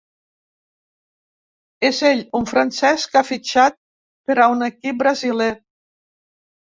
És ell, un francès que ha fitxat per a un equip brasiler.